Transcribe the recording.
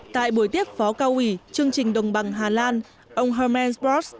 tại buổi tiếp phó cao ủy chương trình đồng bằng hà lan ông hermann sprott